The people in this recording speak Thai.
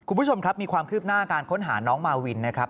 คุณผู้ชมครับมีความคืบหน้าการค้นหาน้องมาวินนะครับ